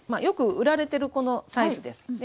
よく売られてるこのサイズです。